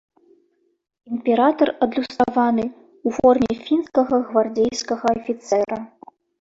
Імператар адлюстраваны ў форме фінскага гвардзейскага афіцэра.